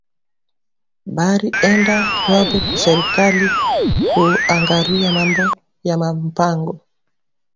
Bari enda lwabo ku serkali ku angariya mambo ya ma mpango